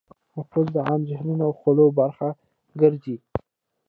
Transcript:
مقوله د عام ذهنونو او خولو برخه ګرځي